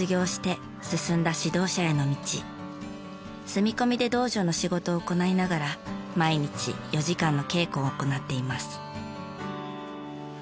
住み込みで道場の仕事を行いながら毎日４時間の稽古を行っています。